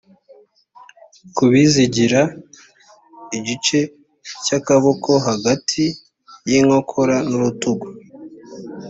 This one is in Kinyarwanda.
ku bizigira igice cy akaboko hagati y inkokora n urutugu